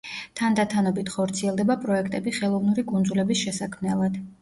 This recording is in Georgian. თანდათანობით ხორციელდება პროექტები ხელოვნური კუნძულების შესაქმნელად.